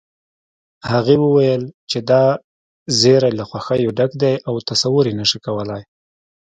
هغې وويل چې دا زيری له خوښيو ډک دی او تصور يې نشې کولی